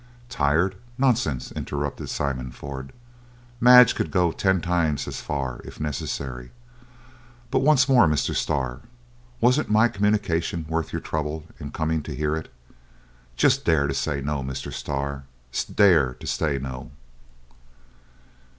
"Tired? nonsense!" interrupted Simon Ford; "Madge could go ten times as far, if necessary. But once more, Mr. Starr, wasn't my communication worth your trouble in coming to hear it? Just dare to say no, Mr. Starr, dare to say no!"